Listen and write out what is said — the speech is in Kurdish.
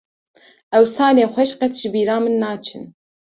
Ew salên xweş qet ji bîra min naçin.